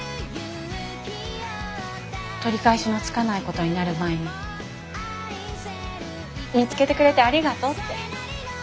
取り返しのつかないことになる前に見つけてくれてありがとうって。